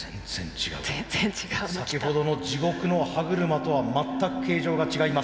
先ほどの地獄の歯車とは全く形状が違います。